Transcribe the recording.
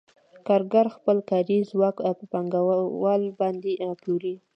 کارګر خپل کاري ځواک په پانګوال باندې پلوري